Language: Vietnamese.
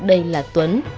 đây là tuấn